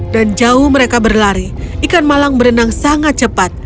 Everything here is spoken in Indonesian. dan jauh mereka berlari ikan malang berenang sangat cepat